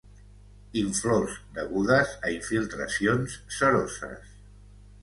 Inflors degudes a infiltracions seroses.